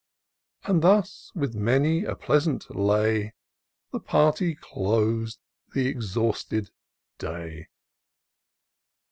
123 Thus, with many a pleasant lay, The party clos'd th' exhausted day.